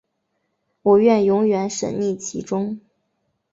我愿永远沈溺其中